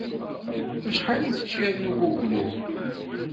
Acḥal i teččiḍ n uguglu?